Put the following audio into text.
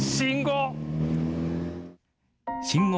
信号！